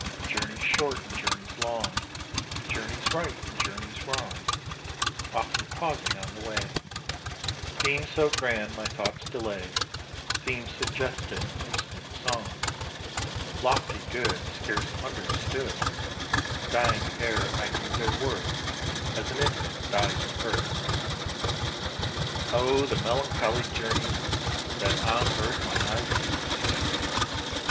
Journeys short and journeys long, Journeys right and journeys wrong; Often pausing on the way, Themes so grand my thoughts delay Themes suggesting instant song Lofty, good, Scarce understood, Dying ere I knew their worth, As an infant dies at birth. Oh! the melancholy journeys That on earth my eyes have seen!